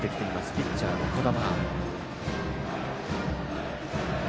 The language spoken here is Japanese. ピッチャーの小玉。